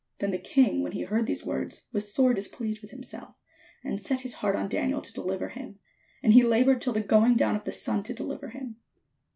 Then the king, when he heard these words, was sore displeased with himself, and set his heart on Daniel to deUver him : and he laboured till the going down of the sun to deliver him.